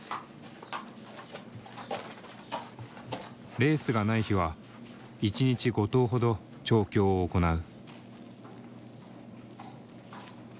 レースがない日は一日５頭ほど調教を行う。